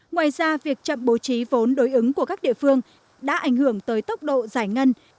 ngoài ra việc chậm bố trí vốn đối ứng của các địa phương đã ảnh hưởng tới tốc độ giải ngân